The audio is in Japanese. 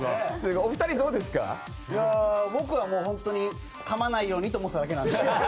僕は本当に、かまないようにと思ってただけなんで。